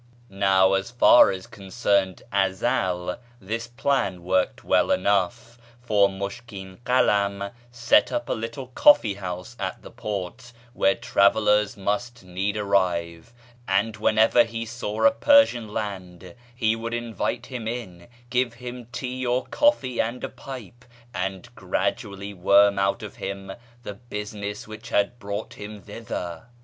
" Now as far as concerned Ezel this plan worked well enough, for Mushkin Kalam set up a little coffee house at the port where travellers must needs arrive, and whenever he saw ii Persian land, he would invite him in, give him tea or coffee and a pipe, and gradually worm out of him the business which had brought him thither.